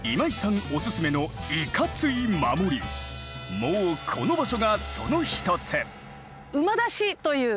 もうこの場所がその一つ。